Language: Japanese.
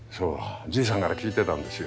じいさんから聞いてたんですよ。